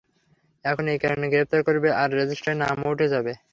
এখন এই কারণে গ্রেফতার করবে, আর রেজিষ্টারে নাম উঠে যাবে।